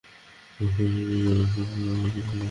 না, Spring Road ধর।